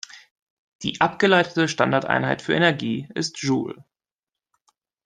Die abgeleitete Standardeinheit für Energie ist Joule.